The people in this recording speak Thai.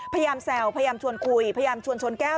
พยายามแซวพยายามชวนคุยพยายามชวนชนแก้ว